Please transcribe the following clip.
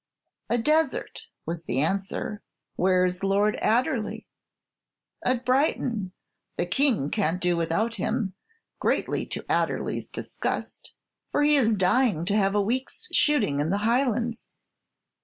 "A desert," was the answer. "Where's Lord Adderley?" "At Brighton. The King can't do without him, greatly to Adderley's disgust; for he is dying to have a week's shooting in the Highlands."